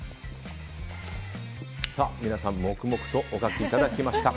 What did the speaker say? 皆さん、黙々とお書きいただきました。